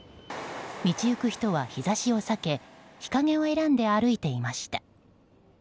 道行く人は日差しを避け日陰を選んで歩いていました。